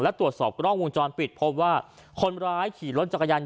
และตรวจสอบกล้องวงจรปิดพบว่าคนร้ายขี่รถจักรยาน